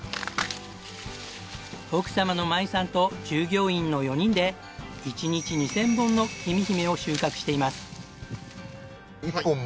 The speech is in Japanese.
奥様の麻衣さんと従業員の４人で１日２０００本のきみひめを収穫しています。